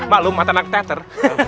maklum mata nak teter